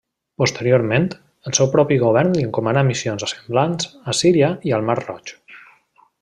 Posteriorment, el seu propi govern li encomanà missions semblants a Síria i al Mar Roig.